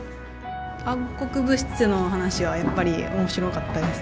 暗黒物質の話はやっぱり面白かったです。